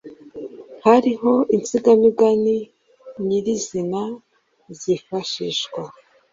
Hariho insigamigani nyirizina zifashishwa